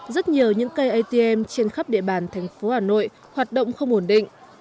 rất nhiều những cây atm trên khắp địa bàn thành phố hà nội hoạt động không ổn định